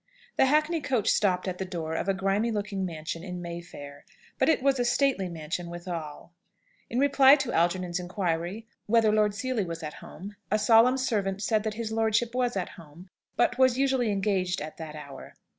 The hackney coach stopped at the door of a grimy looking mansion in Mayfair, but it was a stately mansion withal. In reply to Algernon's inquiry whether Lord Seely was at home, a solemn servant said that his lordship was at home, but was usually engaged at that hour.